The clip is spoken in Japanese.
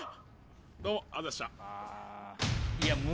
どうもありがとうございましたうわ